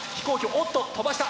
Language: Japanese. おっと飛ばした！